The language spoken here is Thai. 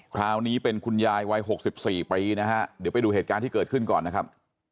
คราวนี้เป็นคุณยายวัย๖๔ปีนะฮะเดี๋ยวไปดูเหตุการณ์ที่เกิดขึ้นก่อนนะครับ